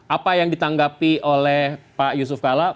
apa yang ditanggapi oleh pak yusuf kala